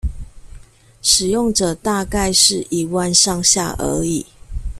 使用者大概是一萬上下而已